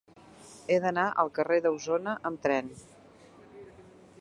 He d'anar al carrer d'Ausona amb tren.